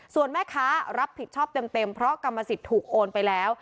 ส่วนแม่ค้ารับผิดชอบเต็มเพราะกรรมสิทธิ์ถูกโอนไปแล้ว